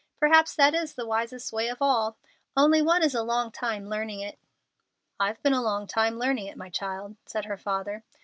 Perhaps that is the wisest way after all, only one is a long time learning it." "I've been a long time learning it, my child," said her father.